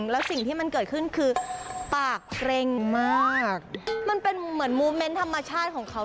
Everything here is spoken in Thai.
แล้วสิ่งที่มันเกิดขึ้นคือปากเกร็งมากมันเป็นเหมือนโมเมนต์ธรรมชาติของเขา